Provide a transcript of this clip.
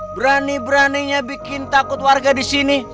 berani beraninya bikin takut warga disini